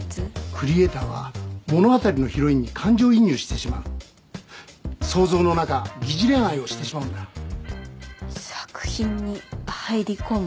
クリエイターは物語のヒロインに感情移入してしまう想像の中疑似恋愛をしてしまうんだ作品に入り込む？